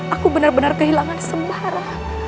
aku benar benar kehilangan sembarang